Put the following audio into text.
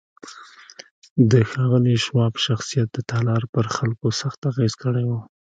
د ښاغلي شواب شخصيت د تالار پر خلکو سخت اغېز کړی و.